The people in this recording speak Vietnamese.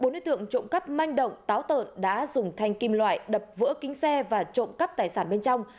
bốn đối tượng trộm cắp manh động táo tợn đã dùng thanh kim loại đập vỡ kính xe và trộm cắp tài sản bên trong